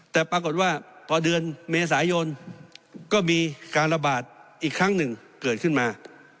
แต่ปรากฏว่าพอเดือนเมษายนก็มีการระบาดอีกครั้งหนึ่งเกิดขึ้นมา